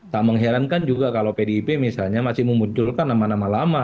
tak mengherankan juga kalau pdip misalnya masih memunculkan nama nama lama